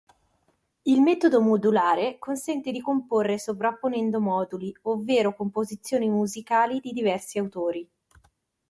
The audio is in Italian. Il metodo modulare, consente di comporre sovrapponendo moduli, ovvero composizioni musicali di diversi autori.